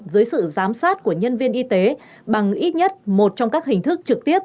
dưới sự giám sát của nhân viên y tế bằng ít nhất một trong các hình thức trực tiếp